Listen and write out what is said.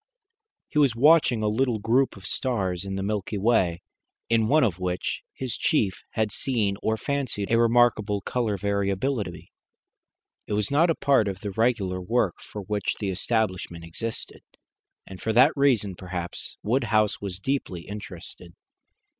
He was watching a little group of stars in the Milky Way, in one of which his chief had seen or fancied a remarkable colour variability. It was not a part of the regular work for which the establishment existed, and for that reason perhaps Woodhouse was deeply interested.